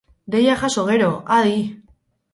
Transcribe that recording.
Deia jaso gero, adi!